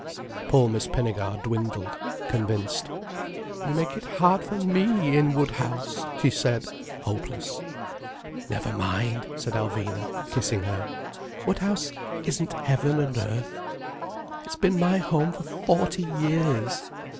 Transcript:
Poor Miss Pinnegar dwindled, convinced. "You make it hard for me, in Woodhouse," she said, hopeless. "Never mind," said Alvina, kissing her. "Woodhouse isn't heaven and earth." "It's been my home for forty years."